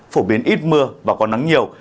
phổ biến ít mưa và có nắng nhiều